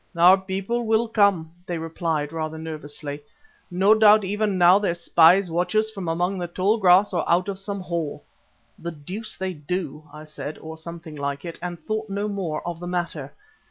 "Our people will come," they replied, rather nervously. "No doubt even now their spies watch us from among the tall grass or out of some hole." "The deuce they do," I said, or something like it, and thought no more of the matter.